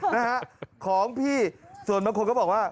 นะฮะของพี่ส่วนบางคนก็บอกว่า